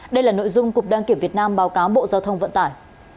đây là nội dung cục đăng kiểm việt nam báo cáo bộ giao thông vận tải